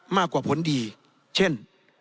มากกว่าผลดีเช่น